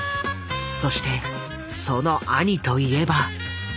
そしてその兄といえば。